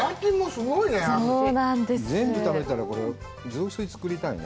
全部、食べたら、これで雑炊を作りたいね。